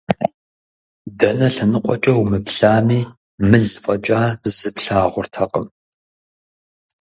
Дэнэ лъэныкъуэкӀэ умыплъами, мыл фӀэкӀа зы плъагъуртэкъым.